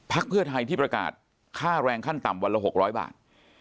เพื่อไทยที่ประกาศค่าแรงขั้นต่ำวันละ๖๐๐บาท